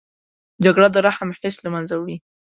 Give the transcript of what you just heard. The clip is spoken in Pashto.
جګړه د رحم حس له منځه وړي